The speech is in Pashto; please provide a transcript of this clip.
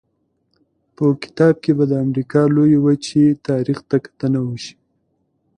په کتاب کې به د امریکا لویې وچې تاریخ ته کتنه وشي.